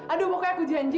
aduh pokoknya aku janji